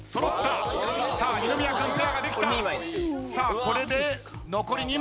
さあこれで残り２枚。